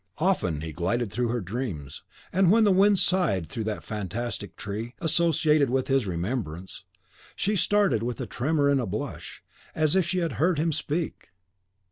Often he glided through her dreams, and when the wind sighed through that fantastic tree, associated with his remembrance, she started with a tremor and a blush, as if she had heard him speak.